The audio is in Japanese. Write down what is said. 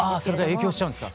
影響しちゃうんですか？